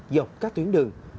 dọc các tuyến đường